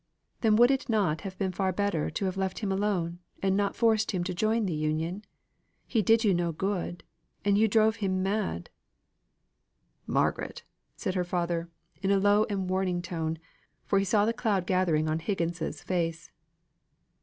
"Then would it not have been far better to have left him alone, and not forced him to join the Union? He did you no good; and you drove him mad." "Margaret," said her father, in a low and warning tone, for he saw the cloud gathering on Higgins's face.